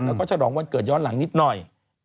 แล้วก็ฉลองวันเกิดย้อนหลังนิดหน่อย